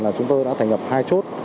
là chúng tôi đã thành lập hai chốt